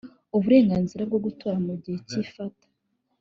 uburenganzira bwo gutora mu gihe cy ifata